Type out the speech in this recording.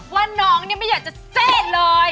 ว่าน้องนี้ไม่อยากได้เซ่นเลย